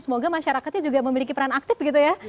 semoga masyarakatnya juga memiliki peran aktif begitu ya